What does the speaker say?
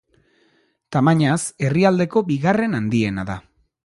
Tamainaz, herrialdeko bigarren handiena da.